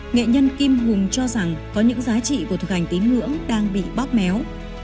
nghệ nhân kim hùng cho rằng có những giá trị của thực hành tín ngưỡng đang bị bóp méo